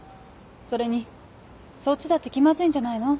それにそっちだって気まずいんじゃないの？